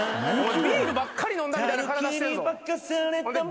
ビールばっかり飲んだみたいな体してるぞ。